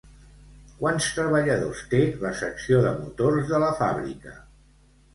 Quants treballadors té la secció de motors de la fàbrica?